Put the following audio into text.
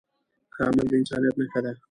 ښه عمل د انسانیت نښه ده.